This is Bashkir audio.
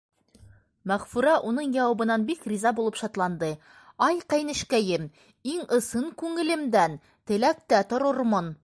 Мәғфүрә уның яуабынан бик риза булып шатланды — Ай, ҡәйнешкәйем, иң ысын күңелемдән теләктә торормон.